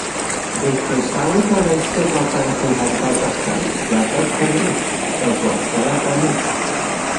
Fe'i croesawyd mewn eisteddfodau a chyngherddau bychan ledled Cymru, fel gwestai arbennig.